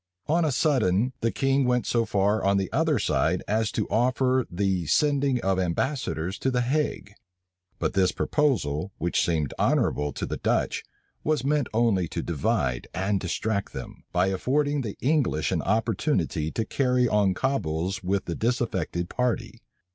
On a sudden, the king went so far on the other side as to offer the sending of ambassadors to the Hague; but this proposal, which seemed honorable to the Dutch, was meant only to divide and distract them, by affording the English an opportunity to carry on cabals with the disaffected party.